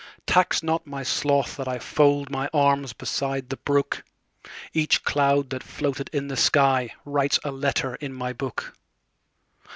Tax not my sloth that IFold my arms beside the brook; Each cloud that floated in the skyWrites a letter in my book.